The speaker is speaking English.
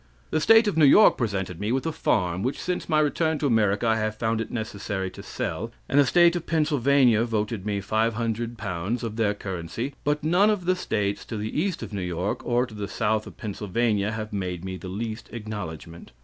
The State of New York presented me with a farm which since my return to America, I have found it necessary to sell, and the State of Pennsylvania voted me L500 of their currency, but none of the states to the east of New York, or the south of Pennsylvania, have made me the least acknowledgment.